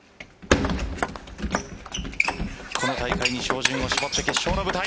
この大会に照準を絞って決勝の舞台。